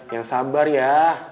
yang sabar ya